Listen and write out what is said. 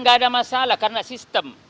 ya tidak ada masalah karena sistem